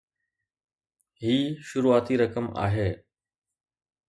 هي شروعاتي رقم آهي.